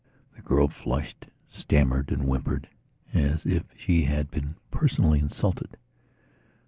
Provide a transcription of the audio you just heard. The girl flushed, stammered and whimpered as if she had been personally insulted.